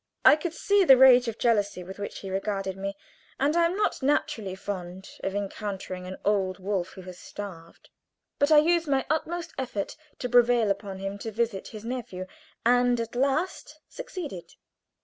I could see the rage of jealousy with which he regarded me, and I am not naturally fond of encountering an old wolf who has starved. But I used my utmost effort to prevail upon him to visit his nephew, and at last succeeded.